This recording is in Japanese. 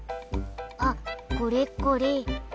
あっこれこれ。